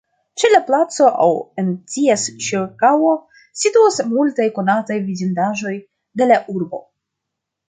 Ĉe la placo aŭ en ties ĉirkaŭo situas multaj konataj vidindaĵoj de la urbo.